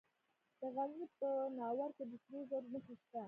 د غزني په ناوور کې د سرو زرو نښې شته.